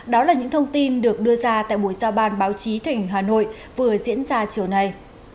đó là những thông tin được đưa ra tại buổi giao ban báo chí thành hà nội vừa diễn ra chiều nay